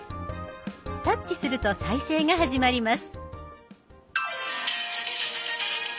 タッチすると再生が始まります。